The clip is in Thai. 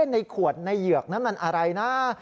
ในขวดในเหยือกนั้นมันอะไรนะ